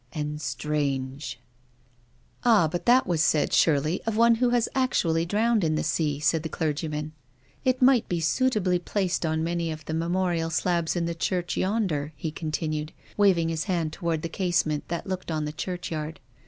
" And strange." " Ah, but that was said, surely, of one who was actually drowned in the sea," said the clergyman. " It might be suitably placed on many of the mem orial slabs in the church yonder," he continued, waving his hand towards the casement that looked on the churchyard.